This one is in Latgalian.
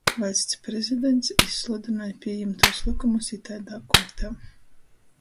Vaļsts Prezidents izsludynoj pījimtūs lykumus itaidā kuortā.